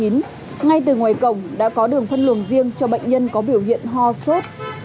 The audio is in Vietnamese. ngay từ ngoài cổng đã có đường phân luồng riêng cho bệnh nhân có biểu hiện ho sốt